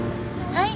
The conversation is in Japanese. はい。